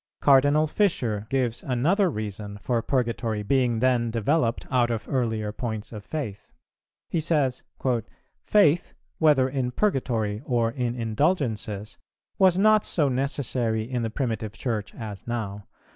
Cardinal Fisher gives another reason for Purgatory being then developed out of earlier points of faith. He says, "Faith, whether in Purgatory or in Indulgences, was not so necessary in the Primitive Church as now.